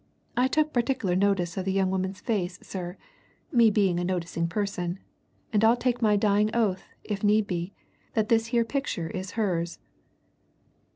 I took particular notice of the young woman's face, sir, me being a noticing person, and I'll take my dying oath, if need be, that this here picture is hers!"